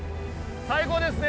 最高ですね。